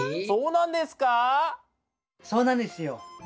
そうなんですか⁉そうなんですよ。